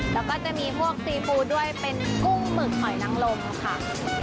แล้วก็จะมีพวกซีฟูด้วยเป็นกุ้งหมึกหอยนังลมค่ะ